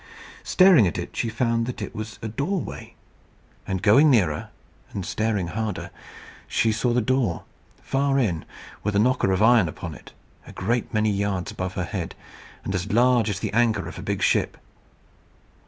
Staring at it, she found that it was a doorway; and going nearer and staring harder, she saw the door, far in, with a knocker of iron upon it, a great many yards above her head, and as large as the anchor of a big ship.